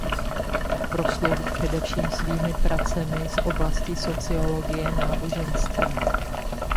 Proslul především svými pracemi z oblasti sociologie náboženství.